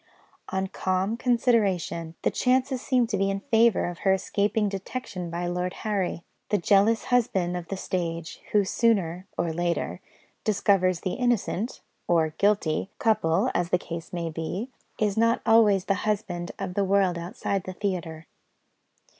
On calm consideration, the chances seemed to be in favour of her escaping detection by Lord Harry. The jealous husband of the stage, who sooner (or later) discovers the innocent (or guilty) couple, as the case may be, is not always the husband of the world outside the theatre.